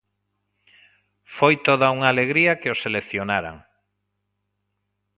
Foi toda unha alegría que o seleccionaran.